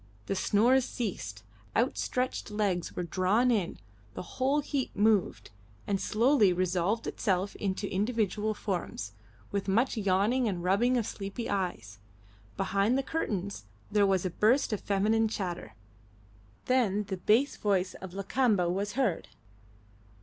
The snores ceased; outstretched legs were drawn in; the whole heap moved, and slowly resolved itself into individual forms, with much yawning and rubbing of sleepy eyes; behind the curtains there was a burst of feminine chatter; then the bass voice of Lakamba was heard.